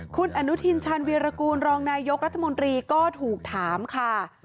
คุณอนุทินชาญวีรกูลรองนายกรัฐมนตรีก็ถูกถามค่ะ